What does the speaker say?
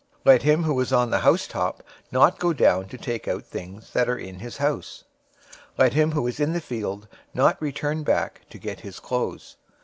024:017 Let him who is on the housetop not go down to take out things that are in his house. 024:018 Let him who is in the field not return back to get his clothes.